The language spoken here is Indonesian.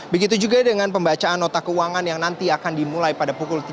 begitu juga dengan pembacaan nota keuangan yang nanti akan dimulai pada pukul tiga belas